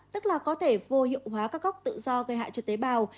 tức là có thể vô hiệu hóa các góc tự do gây hại cho tế bào